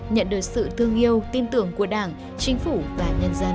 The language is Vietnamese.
nhận được sự thương yêu tin tưởng của đảng chính phủ và nhân dân